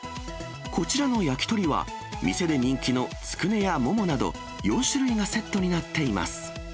こちらの焼き鳥は、店で人気のつくねやももなど、４種類がセットになっています。